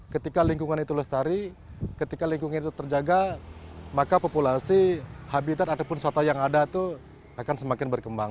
ketika lingkungan itu lestari ketika lingkungan itu terjaga maka populasi habitat ataupun soto yang ada itu akan semakin berkembang